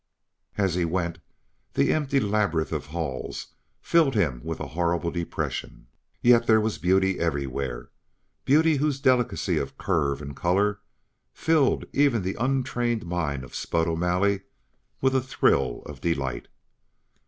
As he went the empty labyrinth of halls filled him with a horrible depression; yet there was beauty everywhere beauty whose delicacy of curve and color filled even the untrained mind of Spud O'Malley with a thrill of delight.